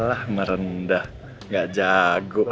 alah merendah gak jago